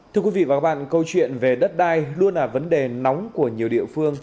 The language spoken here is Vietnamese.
thưa quý vị và các bạn câu chuyện về đất đai luôn là vấn đề nóng của nhiều địa phương